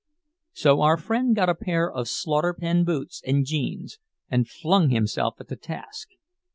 So our friend got a pair of "slaughter pen" boots and "jeans," and flung himself at his task.